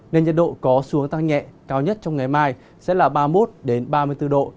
nên nhiệt độ có xuống tăng nhẹ cao nhất trong ngày mai sẽ là ba mươi một ba mươi bốn độ